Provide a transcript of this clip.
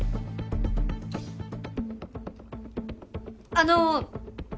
あの！